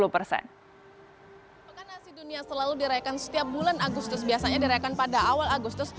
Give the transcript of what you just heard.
pekan nasi dunia selalu dirayakan setiap bulan agustus biasanya dirayakan pada awal agustus